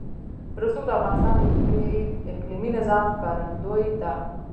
رسوب د افغانستان د اقلیمي نظام ښکارندوی ده.